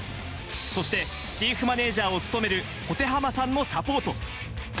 そしてチーフマネジャーを務める保手濱さんのサポート。